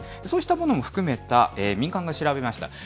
そうしたものも含めた民間が調べました